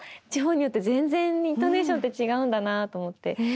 地方によって全然イントネーションって違うんだなと思って。